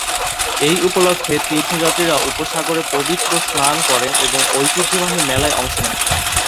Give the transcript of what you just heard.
এই উপলক্ষে তীর্থযাত্রীরা উপসাগরে পবিত্র স্নান করেন এবং ঐতিহ্যবাহী মেলায় অংশ নেন।